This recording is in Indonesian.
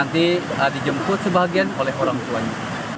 nanti dijemput sebagian oleh orang tuanya